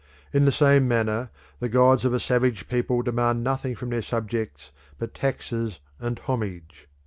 In the same manner the gods of a savage people demand nothing from their subjects but taxes and homage.